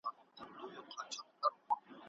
یوازې دوامداره هڅه غواړي.